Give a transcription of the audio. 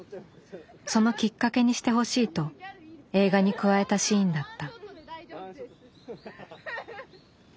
そのきっかけにしてほしいと映画に加えたシーンだった。